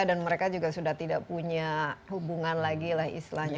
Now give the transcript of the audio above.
dan mereka juga sudah tidak punya hubungan lagi lah istilahnya